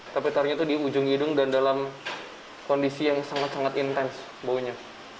tapi taruhnya itu di ujung hidung dan dalam kondisi yang sangat sangat intens baunya